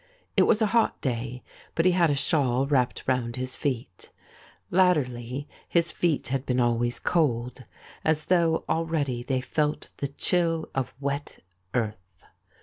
It was a hot day, but he had a shawl wrapped round his feet : latterly his feet had been always cold, as though already they felt the chill of wet earth.